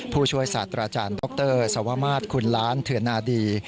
ผู้ช่วยศาสตราจารย์ดรสวมาสคุณล้านเถื่อนนาดี